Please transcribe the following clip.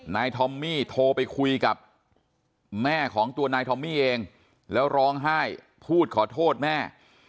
ทอมมี่โทรไปคุยกับแม่ของตัวนายทอมมี่เองแล้วร้องไห้พูดขอโทษแม่